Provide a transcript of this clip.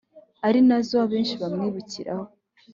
ari na zo abenshi bamwibukiraho: